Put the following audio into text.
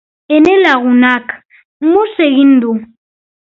Ene lagunak mus egin du.